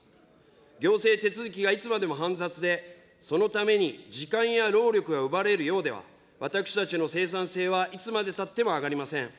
行政手続きがいつまでも煩雑で、そのために時間や労力が奪われるようでは、私たちの生産性はいつまでたっても上がりません。